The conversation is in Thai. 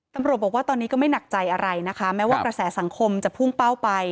ตำรวจบอกว่าตอนนี้ก็ไม่หนักใจอะไรนะคะแม้ว่ากระแสสังคมจะพุ่งเป้าไป